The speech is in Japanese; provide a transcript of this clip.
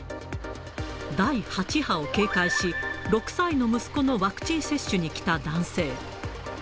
第８波を警戒し、６歳の息子のワクチン接種に来た男性。